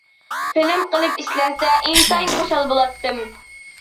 فىلىم قىلىپ ئىشلەنسە ئىنتايىن خۇشال بولاتتىم.